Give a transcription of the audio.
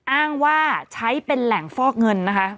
อ้างว่าใช้เป็นแหล่งฟอกเงินนะคะ